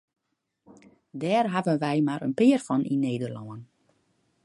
Dêr hawwe wy mar in pear fan yn Nederlân.